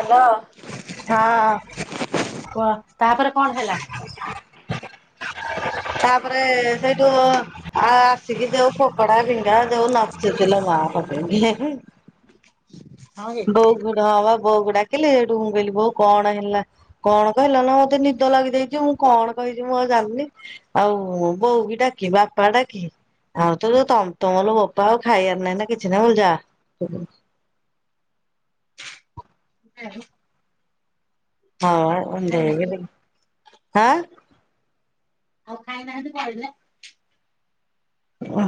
ଆଲ କୁହ ତାପରେ ହଁ କଣ ହେଲା? ତାପରେ ସେଇଠୁ ଆସିକି ଯୋଉ ଫପଡା ଭିଙ୍ଗା ଯୋଉ ନଚିଥିଲ ମା ପତି ହଁ କି? ବହୁ ଗଡ଼ାବା ବୋଉକୁ ଡାକିଲେ ସେଇଠୁ ମୁ କହିଲି ବୋଉ କଣ ହେଲା କଣ କହିଲା ନା ମତେ ନିଦ ଲାଗି ଦେଇାଇଛି ମୁଁ କଣ କହିଛି ମୁଁ ଆଉ ଜାଣିନି ଆଉ ବୋଉ ବିି ଡାକି ବାପା ଡାକି ଆଉ ତ ଯୋଉ ତମର ବାପା ଆଉ ଖାଇବାର ନାହିଁ ନା କିଛି ନାହିଁ ମୁ ଯା ହୁଁ ହଁ ହଇ ଖାଇନାହାନ୍ତି ହଁ ଆଉ ଖାଇ ନାହାନ୍ତି କିଲ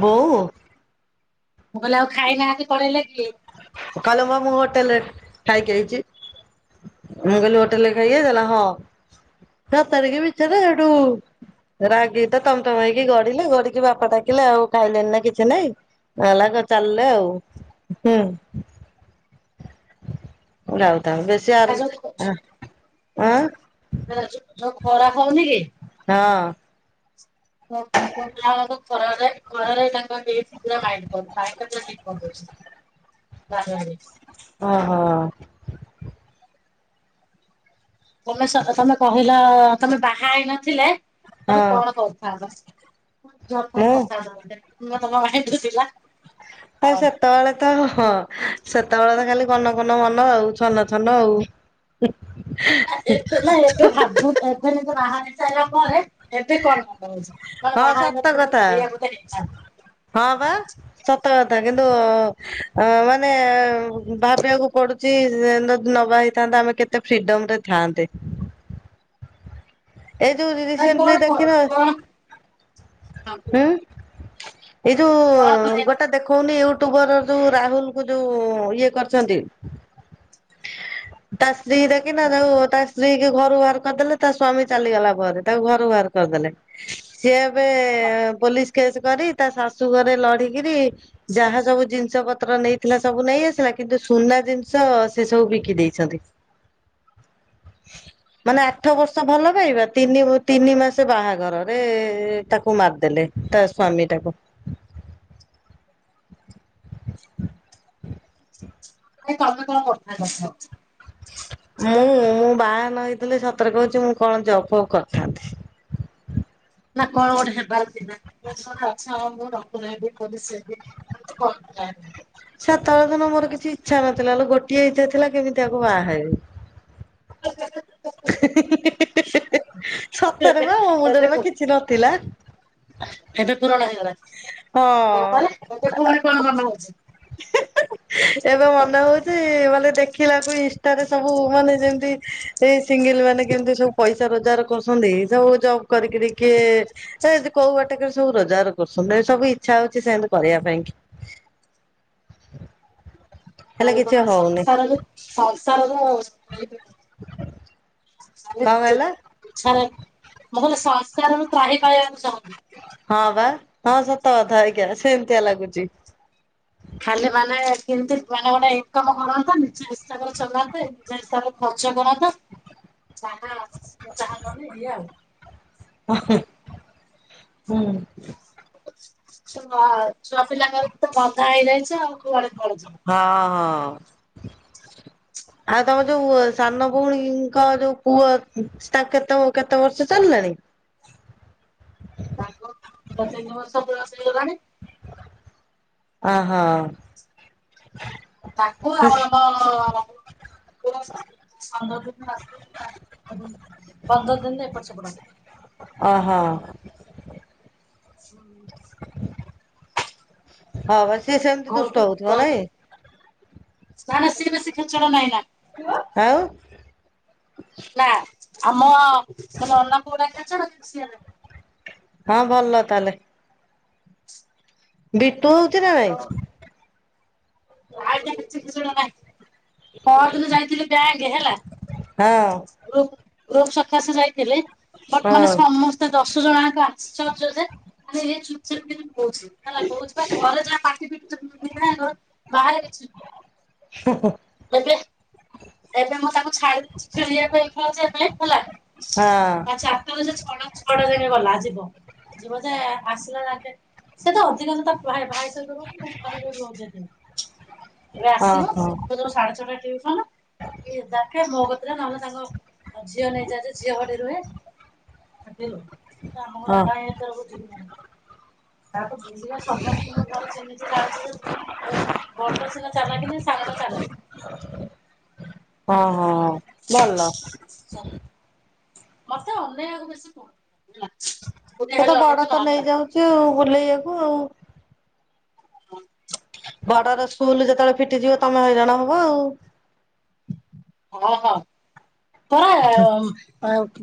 ବୋଉ ମୁଁ କହିଲେ ଆଉ ଖାଇନାହାନ୍ତି ପଳେଇଲେ କି? କାଲ ମାମୁ ହୋଟେଲ ରେ ଖାଇକି ହେଇଛି। ମୁଁ କହିଲି ହୋଟେଲ ଖାଇଲା ହଁ ସ ତାରଖ ବିଚରେ ସେଠୁ ରାଗି ତ ତମ ତମ ହେଇକି ଗଢିଲେ ଗଡିକି ବାପା ଡାକିଲେ ଆଉ ଖାଇଲେନି ନା କିଛି ନାଇଁ ନଲା ଚାଲିଲେ ଆଉ ହୁଁ ରହୁଛି। ତ ବେଶୀ ଆ ଆ ଯୋଉ ଖରା ହଁ କର କର ତାଙ୍କକ ଓହୋ ତମେ ତମେ କହିଲ ତମେ ବାହା ହେଇନଥିଲେ। ହଁ ତମେ କଣ କଥାବ ଜର ଫ ମୁଁ ପସେ ମୁଁ ତମ ମଦଥିଲା। ଖ ସେତେବେଳେ ତ ହଁ ସେତେବେଳେ ତ ଖାଲି କନ କନ ଭଲ ଆଉ ଛନ ଛନ ଆଉ ଏବେ ନା ଏବେ ଭାବନ୍ତ ଏ ବାହାଶାଇଲା ପରେ ଏତେ କଣାଉଛି ହଁ ସତ କଥା ହେଇଥାନ୍ତା। ହଁ ବା କଥା କିନ୍ତୁ ମାନେ ଭାବିବାକୁ ପଡୁଛି ନବା ହେଇଥାନ୍ତା ଆମେ କେତେ ଫ୍ରିଡମ ରେ ଥାନ୍ତେ ଏଇ ଯୋଉ ସେଥିପାଇଁ କଣ ରିସେଣ୍ଟଲି କଣ ଦେଖିବ। କଣ ହଁ କୁହ ଏଇ ଯଉ କଣ କରିବାକୁ ଗୋଟେ ଦେଖଉନି। ଇଉ ଟୁ ଅକ୍ଟୋବର ର ଯୋଉ ରାହୁଲ କୁ ଯୋଉ ଇଏ କରିଛନ୍ତି। ତା ସ୍ତ୍ରୀ କୁ ଦେଖିନ। ଚାହୁଁ ଯୋଉ ତା ସ୍ତ୍ରୀକ ଘରୁ ବାହାର କରିଦେଲେ। ତା ସ୍ଵାମୀ ଚାଲିଗଲା ପରେ ତାକୁ ଘରୁ ବାହାର କରିଦେଲେ। ସିଏ ଏବେ ହଁ ବୋଲି କେସେ କରି ତା ଶାଶୁ ଘରେ ଲଢିକିରି ଯାହା ସବୁ ଜିନିଷ ପତ୍ର ନେଇଥିଲା ସବୁ ନେଇ ଆସିଲା। କିନ୍ତୁ ସୁନା ଜିନିଷ ସେ ସବୁ ବିକି ଦେଇଛନ୍ତି। ମାନେ ଆଠ ବର୍ଷ ଭଲ ପାଇବା ତିନି ତିନି ମାସ ବାହାଘରରେ ତାକୁ ମାରିଦେଲେ। ତା ସ୍ଵାମୀ ଟାକୁ [inaudible] କାମ କଣ କରଥାନ୍ତ। ମୁଁ ମୁଁ ବାହା ନ ହେଇଥିଲି ସତରେ କହୁଛି ମୁଁ କଣ ଜବ୍ ଫବ୍ କରିଥାନ୍ତି। ନା କଣ ଗୋଟେ ହେବାର ଥିବେ। ନା ଅଛ ମୁଁ ରଖୁନାହାଁନ୍ତି [unintelligible] ସେତବେଳେ ଦିନ ମୋର କିଛି ଇଚ୍ଛା ନଥିଲା ଲୋ। ଗୋଟିଏ ଇଚ୍ଛା ଥିଲା କେମିତି ଆକୁ ବାହା ହେବି। ଆ ସତରେ ଏବେ ବା ମୋ ଏବେ ମୁଣ୍ଡରେ ବା କିଛି ନଥିଲା। ପୁରାଣ ତାପରେ ହଁ କଣ ଭଲ ହଉଛି। ଏବେ ମନେ ହେଉଛି ମାନେ ଦେଖିଲାକୁ ଇନଷ୍ଟା ରେ ସବୁ ମାନେ ଯେମତି ଏ ସିଙ୍ଗଲ୍ ମାନେ କେମିତି ସବୁ ପଇସା ରୋଜଗାର କରୁଛନ୍ତି ସବୁ ଜବ୍ କରିକି ଟ କିଏ ଏ କୋଉ ବାଟ କରି ସବୁ ରୋଜଗାର କରୁଛନ୍ତି। ସବୁ ଇଚ୍ଛା ହଉଛି ସେମତି କରିବା ପାଇଁ କି। [inaudible] ତା ହେଲେ କିଛି ହଉନି ସଂସାର ସଂସରକୁ [unintelligible] [unintelligible] କଣ କହିଲ? ମୋର ସଂସାର ରୁ ତ୍ରାହି ପାଇବାର ସଚାହୁଁଚୁ। ହଁ ବା ହଁ ସତ କଥା ଆଜ୍ଞା ସେମିତିଆ ଲାଗୁଛି। ଖାଲି ମାନେ କେମତି ମାନେ ଗୋଟେ ଇନକମ କରନ୍ତନି। ହିସାବରେ ଚଲାନ୍ତେ ନିଜ ହିସାବରେ ଖର୍ଚ୍ଚ କରନ୍ତେ ଯାହା କଲେ ଇଏ ଆଉ ହୁଁ ଉଁ ହୁଁ ଛୁଆ ଛୁଆ ପିଲାଙ୍କ ତ ମଜା ହେଇଯାଇଛି। ଆଉ କୁଆଡେ କୁଆଡେ ଯିବ। ହଁ ହଁ ଆଉ ତମ ଯୋଉ ସାନ ଭଉଣୀଙ୍କ ଯୋଉ ପୁଅ ତା କେତେ କେତେ ବର୍ଷ ଚାଲିଲାଣି। ତାକୁ ପ୍ରତ୍ୟେକ୍ଷ ବର୍ଷ ଦି ବର୍ଷ। ହେଇଗଲାଣି ଆ ହୋ ତାକୁ ଆଉ ଆମ ପନ୍ଦର ଦିନ ପନ୍ଦର ଦିନ ଏପଟ ସପଟ। ଓହୋ [inaudible] ହୁଁ ହଁ ବ ସିଏ ସେମିତି ଘରକୁ ଦୁଷ୍ଟ ହଉଥିବ ଘରକୁ ନାଇଁ ନା ନା ସିଏ ବେଶୀ ଖେଚଡ଼ ନାହିଁ ଆଉ ନା ଆମ ଅନା ପୁଅ ଖେଛଡ଼ ସିଆନା ହଁ ଭଲ ତାହେଲେ। [inaudible] ବିଟୁ ହଉଛି ନା ନାଇ। ପହରଦିନ ଯାଇଥିଲି ବ୍ୟା ହେଲା ହଁ ଗ୍ରୁପ ଗ୍ରୁପ ସକାଶେ ଯାଇଥିଲେ। ବର୍ତ୍ତମାନ ମାନ ହଁ ସମସ୍ତେ ଦର୍ଶ ଦିଜଣ ଆଙ୍କ ଆଶ୍ଚର୍ଯ୍ୟ ଯେ ଆ ଚୁପ ଚାପ କିନା କହୁଛି ତାଲେ କହୁଛି ବା ଘରେ ଯାହା ପି ଚୁପ କିନା ଘର ବାହାର କିଛି ନୁ ହୁଁ ହୁଁ [unintelligible] ଏବେ ମୁଁ ତାକୁ ଛାଡିଛି ଖେଳିବା ପାଇଁ ଖେଳିବା ପାଇଁ ଖଲା ହଁ ଚାରିଟାଛ ଛଡ ଯା ଗଲା ଯିବ। ଯିବ ଯେ ଆସିଲା ଯାକେ ସେ ତା ଅଧିକଣ ତା ଭାଇ ଏବେ ଆସିବ ଓହୋ ସାଢେ ଛଅଟା ଟିଉସନ। ତାଙ୍କେ [unintelligible] ନାମ ସାଙ୍ଗ ଝିଅ ନେଇ ଯାଏ ଯେ ଝିଅ ଘଟି ରୁହେ ରୁହେ। ହଁ [unintelligible] କାଇ ଏତର ବୁଝିବି [unintelligible] ସମସ୍ତିଙ୍କୁ ଭଲ ଚିହ୍ନିଚି ଜାଣିଚି ଯେ ଏ ବଡଟା ସିନା ଚାଲାଖ ନୁହେଁ ସାଙ୍ଗଟା ଚାଲାଖ । ହଁ ହଁ ଭଲ। ସ ମତେ ଅନେଇ ଆ କୁ ବେଶୀ କୋଉଠି ସେ ହେଲେ ତ ବଡ ଅନଉଚି ତ ନହେଲେ ନେଇଯାଉଚି ଆଉ ବୁଲେଇବାକୁ ଆଉ। ହଁ। ବଡର ସ୍କୁଲ ଯେତବେଳେ ଫିଟିଯିବ ତମେ ହଇରାଣ ହବ ଆଉ। ହଁ ହଁ। ପରେ ଆ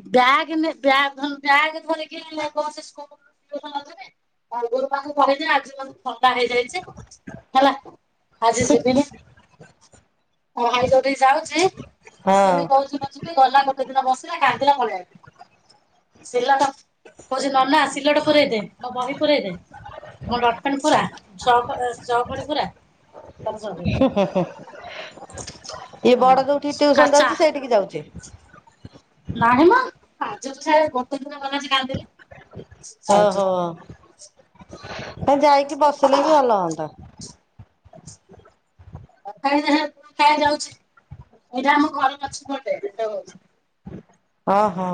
ବ୍ୟାଗ୍ ନେ ବ୍ୟାଗ୍ ବ୍ୟାଗ୍ ଧରିକି [unintelligible] ଥଣ୍ଡା ହେଇଯାଇଚି ହେଲା ଆଜି ଯିବିନି। ଆ ଭାଇ ଯାଉଠିକି ଯାଉଛି। ସିଏ ବି ହଁ କହୁଛି [unintelligible] ଗଲା ଗୋଟେ ଦିନ ବସିଲା କାନ୍ଦିଲା ପଳିଆଇଲା। ସିଲଟ କହୁଚି ନ ନା ସିଲଡ ପୁରେଇ ଦେ ମୋ ବହି ପୁରଇ ଦେ ମୋ ଡଟ୍ ପେନ୍ ପୁରା ଚକ-ଚ ଖଡି ପୁରା ହୁଁ ଟିଉସନ୍ କାଚା ଯାଉଚି ସେଇଟିକି ଯାଉଚି। ନାହିଁ ମ [unintelligible] ଗୋଟେ ଦିନ ଗଲା ଯେ କାନ୍ଦିଲା। ଯାଉଛି ଓହୋ। ତା ଯାଇ କି ବସିଲେ ବି ଭଲ ହୁଅନ୍ତା। [unintelligible] ଯାଉଛି ଏଇଟା ଆମ ଘରେ ଅଛି ଗୋଟେଛି ହଁ ହଁ।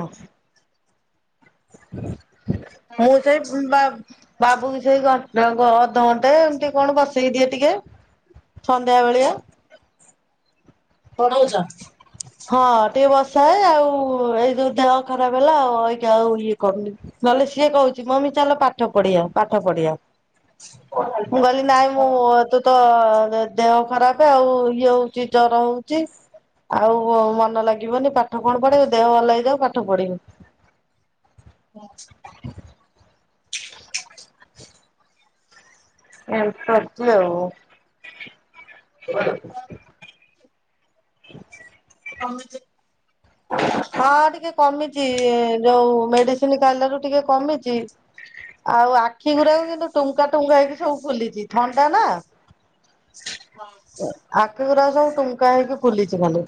ମୁଁ ସେଇ ବା-ବାବୁ ବି ସେଇ ରଙ୍ଗ ଅଧଘଣ୍ଟେ ଏମତି କଣ ବସେଇ ଦିଏ ଟିକେ ସନ୍ଧ୍ୟାବେଳିଆ ପଢଉଚ ହଁ ଟିକେ ବସାଏ ଆଉ ଏଇ ଯୋଉ ଦେହ ଖରାପ ହେଲା ଆଉ ଅଇକା ଆଉ ଇଏ କରୁନି ।ନହେଲେ ସିଏ କହୁଚି ମମି ଚାଲ ପାଠ ପଢିଆ ପାଠ ପଢିଆ। ମୁଁ ଗଲି ନାଇଁ ମୁଁ ତୁ ତ ଦେହ ଖରାପ ଆଉ ଇଏ ହଉଚି ଜର ହଉଚି ଆଉ ଉ ମନ ଲାଗିବନି ପା ଠ କଣ ପଢେଇବ ଦେହ ଭଲ ହେଇଯାଉ ପା ପଡିବୁ ହଁ। ଏ [unintelligible] ଆଉ [inaudible] ତଚ ହଁ ଟିକେ କମିଛି ଯୋଉ ମେଡିସିନ ଖାଇଲାରୁ ଟିକେ କମିଛି ଆଉ ଆଖି ଗୁଡାକ କିନ୍ତୁ ଟୁଙ୍କା ଟୁଙ୍କା ହେଇକି ସବୁ ଫୁଲିଛି ଥଣ୍ଡା ନା ହଁ ପାଖା ସବୁ ଟୁଙ୍କା ହେଇକି ଫୁଲିଛି ମାନେ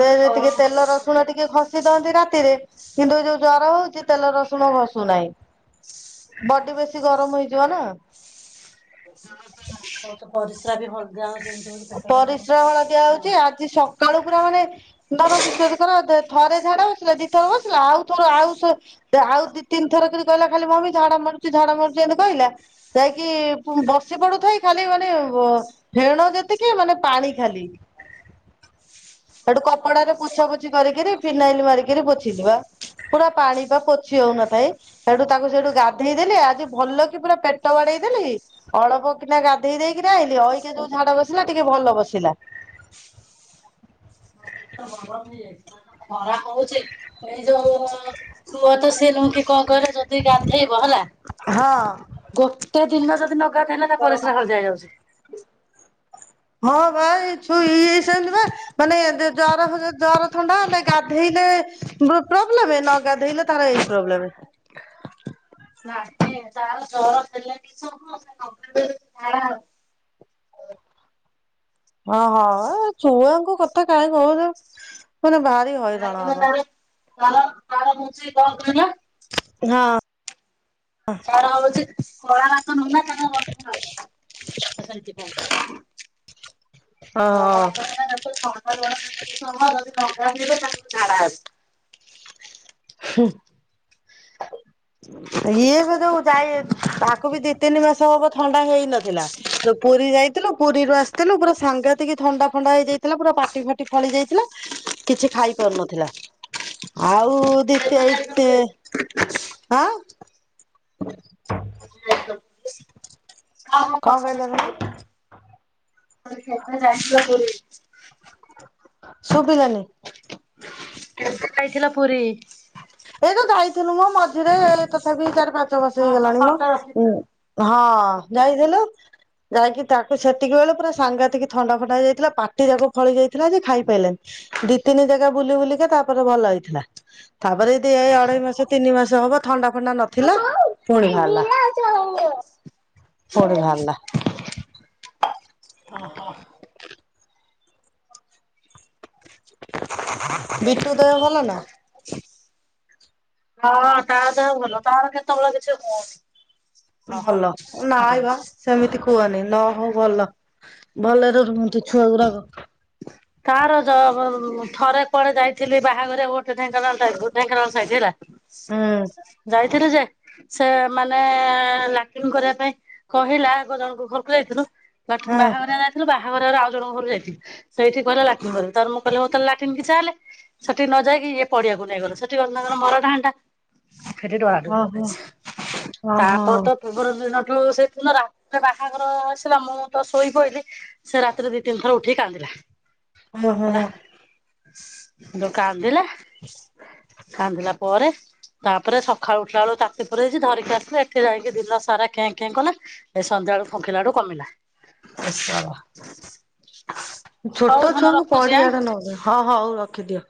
ତ ଟିକେ ତେଲ ରସୁଣ ଟିକେ ଖସିି ଦଅନ୍ତି ରାତିରେ କିନ୍ତୁ ଏ ଯୋଉ ଜର ହଉଛି ତେଲ ରସୁଣ ଘଷୁନାହିଁ ବଡି ବେଶୀ ଗରମ ହେଇଯିବ ନା ତ ପରିସ୍ରା ବି ଭଲ ଯା ପରିଶ୍ରମ ଦିଆହଉଛି ଆଜି ସକାଳୁ ପୁରା ମାନେ ଧନ ବିଶୋଧ କର ଥରେ ଝାଡା ବସିଲା ଦିଇଥର ବସିଲା ଆଉ ଥର ଆଉ ଆଉ ଦି ତିି ଥର କହିଲା ଖାଲି ମ ଝାଡା ମାରୁଛି ଝାଡା ମାରୁଛି ଏତି କହିଲା ଯାଇକି ବସି ପଡୁଥାାଇ ଖାଲି ମାନେ ଫେଣ ଯେତିକି କି ମାନେ ପାଣି ଖାଲି ଆ ସେଠୁ କପଡାରେ ପୋଛା ପୋଛି କରିକିରି ଫିନାଇଲ ମାରିକିରି ପୋଛିଲିବା ପୁରା ପାଣି ପା ପୋଛି ହଉନଥାଏ ସେଠୁ ତାକୁ ସେଠୁ ଗାଧେଇ ଦେଲି ଆଜି ଭଲ କି ପୁରା ପେଟ ବାଡେଇ ଦେଲି ଅଳପ କିିନା ଗାଧେଇ ଦେଇକିନା ଆଇଁଲି ଅଇକା ଯୋଉ ଝାଡ଼ା ବସି ଥିଲା ଟିକେ ଭଲ ବସିଲା। ନେଇ ଖରା ହଉଛି ଏଇ ଯୋଉ ପୁଅ ତ ସିଏ ଲୁ କି କଣ କହିଲେ ଯଦି ଗାଧେଇବ ହେଲା ହଁ। ଗୋଟେ ଦିନ ଯଦି ନ ଗାଧେଇଲା ତା ପରିସ୍ରା ହଳଦିଆ ହେଇଯାଉଛି। ହ ହଁ। [unintelligible] ମାନେ ଜର ହେଲେ ଜର ଥଣ୍ଡା ହେଲେ ଗାଧେଇଲେ ପ୍ରୋବ୍ଲେମ ନ ଗାଧେଇଲେ ତାର ଏଇ ପ୍ରୋବ୍ଲେମ। ମାନେ ତାର ଜର ଥିଲେ ବି ହଁ ହଁ ଛୁଆଙ୍କୁ କଥା କଥା କାଇଁ କହୁଚ। ମାନେ ଭାରି ହଇରାଣ ନା ଆଗ। ତାର ତାର ତାର ମୁଁ ସେ କଣ କହିଲ ହଁ। ତାର ହଉଛି କଳା [unintelligible] ହଁ। [unintelligible] ଛାଡା ହେବେ। ହୁଁ। [unintelligible] ଇଏ ବି ଯୋଉ ଯାଇ ତାକୁ ବି ଦି ତିନି ମାସ ହବ ଥଣ୍ଡା ହେଇନଥିଲା ତୋ ପୁରୀ ଯାଇ ଯାଇଥିଲୁ ପୁରୀରୁ ଆସିଥିଲୁ ପୁରା ସାଂଘାତିକି ଥଣ୍ଡା ଫଣ୍ଡା ହେଇଯାଇଥିଲା ପୁରା ପାଟି ଫାଟି ଫଳି ଯାଇଥିଲା କିଛି ଖାଇ ପାରୁନଥିଲା। ଆଉ ଦି କେବେ ଯାଇଥିଲ ସେଇଟି ପୁରୀ? ହଁ। ଆ ନ ହଁ ହଁ। କଣ କହିଲ ତମେ [unintelligible] କେତେ ଶୁଭିଲାନି। ଖାଇଥିଲା ପୁରୀ? ଏଇ ଯୋ ଯାଇଥିଲୁ ମୋ ମଝିରେ ତଥାପି ଚାରି ପାଞ୍ଚ ବର୍ଷ ହଁ ହଁ ହେଇଗଲାଣି ମୋ ଫଟୋ ରଖିଥିଲ। ହଁ ଯାଇଥିଲୁ। ଯାଇକି ତାକୁ ଛତିକି ବେଳେ ପୁର ସାଙ୍ଗାତିକି ଥଣ୍ଡା ଫଣ୍ଡା ହେଇଯାଇଥିଲା ପାଟି ଯାକ ଫଳି ଯାଇଥିଲା। ଥିଲା ଯେ ଖାଇ ପଇଲନି। ତିନି ଜାଗା ବୁଲି ବୁଲିକେ ତାପରେ ଭଲ ହେଇଥିଲା। ଏ ଅଢେଇ ମାସ ତିନି ମାସ ହବ ଥଣ୍ଡା ଫଣ୍ଡା ନଥିଲା। ପୁଣି ଭ ପ ଭରିଲା। ଓହୋ ବିଟଟୁଦୟ ଭଲ ନା। ହଁ ତ ତ ଭଲ ତାର କେତେବେଳେ କିଛି ହୁଅନ। ଭଲ ନ ଆବା ସେମିତି କୁହନି ନ ହଉ ଭଲ। ଭଲରେ ରୁହନ୍ତି ଛୁଆ ଗୁଡାକ। ତାର ଥରେ କୁଆଳେ ଯାଇଥିଲି ବାହାଘର ଗୋଟେ ଢ଼େଙ୍କାଳ ସାଇଥିଲା ହୁଁ ଯାଇଥିଲୁ ଯେ ସେ ମାନେ ଲାଟିଙ୍ଗ କରିବା ପାଇଁ କହିଲା ଆଗ ଜଣଙ୍କୁ ଘରକୁ ଯାଇଥିଲୁ। ନତନ ହଁ ବାହାଘର ବାହାଘରରେ ଆଉ ଜଣଙ୍କ ଘରୁ ଯାଇଥିଲି ସେଇଠି କହିଲ ଲାଟିନ୍ରତ ମୁଁ କିଲ ହୋେ ଲାଟିନ୍ ଚାଲେ ହେଲେ ସେଠି ନଯାଇକି ଇଏ ପଡିଆକୁ ନେଇଗଲେ ସେଠିର ମର ଡାଣ୍ା ସେଠ ଟ ବାଡ ଓହୋ। କରିଦେଇଛି ଓହୋ ତାପ ତ ପୂର୍ବର ଦିନ ଆଉ ସେଥିନ ରାତିରେ ବାହାଘର ଆସିଲା ମୁଁ ତ ଶୋଇ କହିଲି। ସେ ରାତରେ ଦି ତିନ ଥର ଉଠିକି କାନ୍ଦିଲା। ହଁ ହୋ। ଦୋକାନଥିଲା। କାନ୍ଦିଲା। ପରେ ତାପରେ ଖଳୁଠା ବେୁ ଚାତି ପୁରରେଇଛି ଧରିକ ଏଠି ଯାଇକି ଦିନ ସାରା ଖେଁ ଖେଁ କଲା ଏ ସନ୍ଧ୍ୟାବେଳୁକୁ ଫୁଙ୍କିଲା ଠୁ କମିଲା। ଏସା [inaudible] ହଉ ଛୋଟ ଧନ ଛୁଆଙ୍କୁ ରଖୁଛି ଆଁ। ପଡିଆଡେ ନବେ ହଁ ହଉ ହଉ ରଖିଦିଅ।